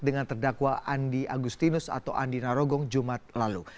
dengan terdakwa andi agustinus atau andi narogong jumat lalu